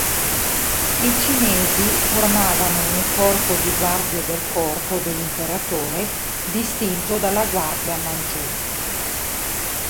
I cinesi formavano un corpo di guardie del corpo dell'imperatore distinto dalla Guardia manciù.